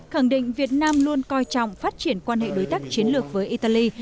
khẳng định việt nam luôn coi trọng phát triển quan hệ đối tác chiến lược với italy